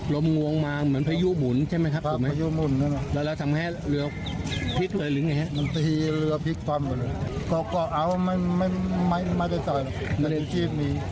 สำคัญมากเลยนะพี่เบิร์ตดอมทุกคุณผู้ชม